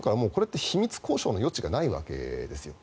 もう、これって秘密交渉の余地がないわけです。